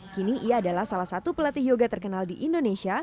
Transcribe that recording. kini ia adalah salah satu pelatih yoga terkenal di indonesia